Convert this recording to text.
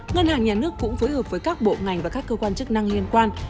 ngân hàng nhà nước cũng phối hợp với các bộ ngành và các cơ quan chức năng liên quan